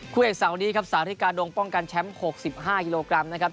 คุยกับสาวดีครับสาธิกาโดงป้องกันแชมป์๖๕กิโลกรัมนะครับ